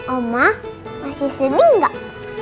oma masih sedih gak